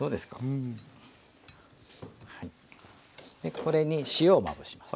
これに塩をまぶします。